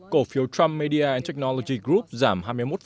cổ phiếu trump media technology group giảm hai mươi một năm